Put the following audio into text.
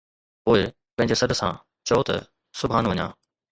پوءِ، پنهنجي سڏ سان، چئو ته، ”سبحان وڃان.